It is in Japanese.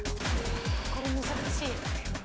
これ難しい。